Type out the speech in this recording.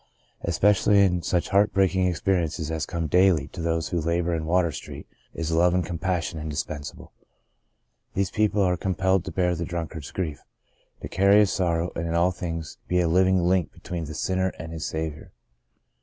Especially in such heart breaking experiences as come daily to those who labour in Water Street is love and compassion indispensable. The Greatest of These 19 These people are compelled to bear the drunkard's grief, to carry his sorrow, and in all things be a living link between the sinner and his Saviour.